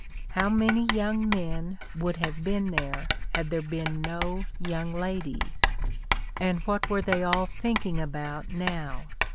How many young men would have been there had there been no young ladies? and what were they all thinking about now?